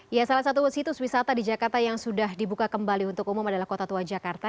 ya salah satu situs wisata di jakarta yang sudah dibuka kembali untuk umum adalah kota tua jakarta